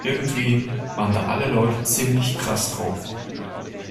Irgendwie waren da alle Leute ziemlich krass drauf.